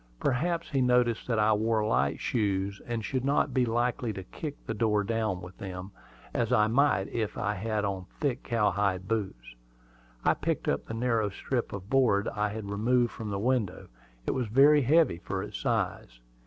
Perhaps he noticed that I wore light shoes, and should not be likely to kick the door down with them, as I might if I had on thick cowhide boots. I picked up the narrow strip of board I had removed from the window; it was very heavy for its size.